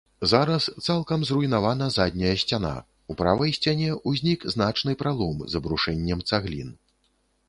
Зараз цалкам зруйнавана задняя сцяна, у правай сцяне ўзнік значны пралом з абрушэннем цаглін.